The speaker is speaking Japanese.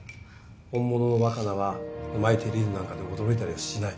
本物の若菜はうまいテリーヌなんかで驚いたりはしない。